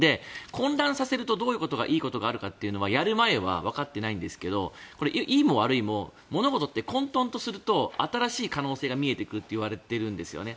混乱させるとどういういいことがあるかというのはやる前はわかっていないんですけどいいも悪いも物事って混とんとすると新しい可能性が見えてくるといわれているんですよね。